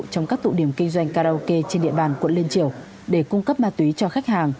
trong các tụ điểm kinh doanh karaoke trên địa bàn quận liên triều để cung cấp ma túy cho khách hàng